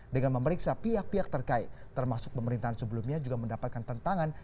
dengan memeriksa pihak pihak terkait termasuk pemerintahan sebelumnya juga mendapatkan tentangan